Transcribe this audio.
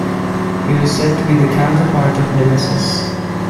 He was said to be the counterpart of Nemesis.